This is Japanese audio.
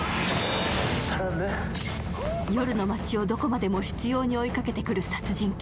夜の街をどこまでも執ように追いかけてくる殺人鬼。